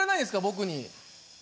僕に。